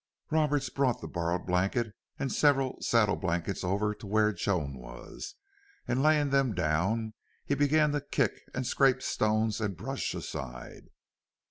Roberts brought the borrowed blanket and several saddle blankets over to where Joan was, and laying them down he began to kick and scrape stones and brush aside.